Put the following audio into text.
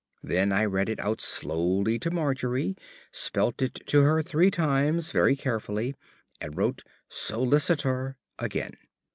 Then I read it out slowly to Margery, spelt it to her three times very carefully, and wrote SOLICITOR again.